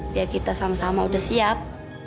biar kita sama sama udah siap